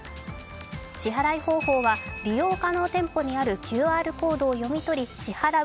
支払い方法は利用可能店舗にあるＱＲコードを読み込み支払う